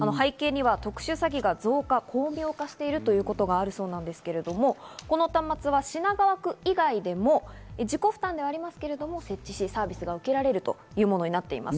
背景には特殊詐欺が増加、巧妙化していることがあるそうなんですけれども、この端末は品川区以外でも自己負担ではありますが、設置しサービスを受けられるというものです。